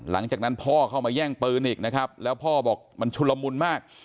หลังจากนั้นพ่อเข้ามาแย่งปืนอีกนะครับแล้วพ่อบอกมันชุลมุนมาก